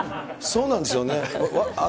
そうなんですよね。